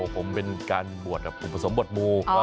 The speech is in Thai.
ผมเป็นการบวชอุปสมบวชมู